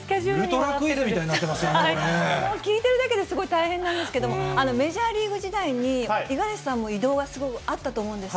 ウルトラクイズみたいになっ聞いてるだけですごい大変なんですけれども、メジャーリーグ時代に、五十嵐さんも移動はすごいあったと思うんです。